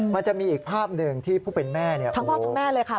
มันจะมีอีกภาพหนึ่งที่ผู้เป็นแม่ทั้งพ่อทั้งแม่เลยค่ะ